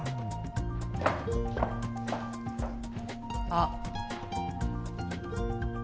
あっ。